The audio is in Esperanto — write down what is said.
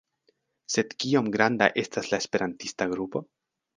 Sed kiom granda estas la esperantista grupo?